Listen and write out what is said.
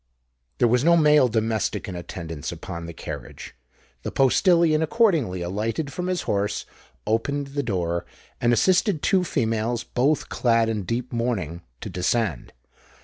There was no male domestic in attendance upon the carriage: the postillion accordingly alighted from his horse, opened the door, and assisted two females, both clad in deep mourning, to descend.